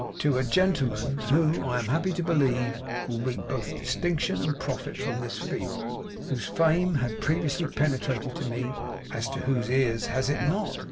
'To a gentleman who, I am happy to believe, will reap both distinction and profit from this field; whose fame had previously penetrated to me as to whose ears has it not!